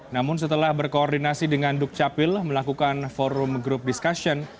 namun setelah berkoordinasi dengan dukcapil melakukan forum group discussion